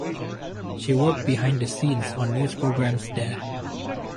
She worked behind the scenes on news programs there.